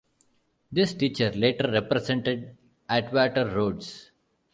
This teacher later represented Atwater-Rhodes.